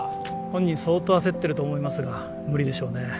本人相当焦ってると思いますが無理でしょうね